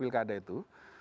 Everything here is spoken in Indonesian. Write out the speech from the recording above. di wilkada itu